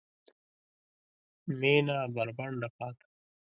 مېنه بربنډه پاته